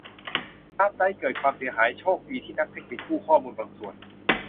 ฮาร์ดไดรฟ์เกิดความเสียหายโชคดีที่นักเทคนิคกู้ข้อมูลบางส่วน